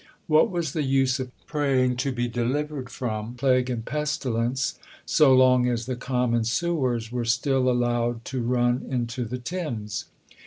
What was the use of praying to be delivered from "plague and pestilence" so long as the common sewers were still allowed to run into the Thames?